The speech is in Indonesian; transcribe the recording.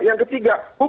yang ketiga hukum